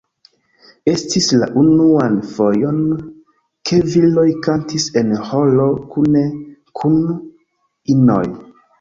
Estis la unuan fojon, ke viroj kantis en ĥoro kune kun inoj.